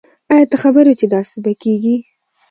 آیا ته خبر وی چې داسي به کیږی